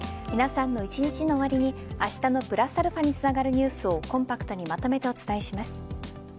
皆さんの一日の終わりにあしたのプラスαにつながるニュースをコンパクトにまとめてお伝えします。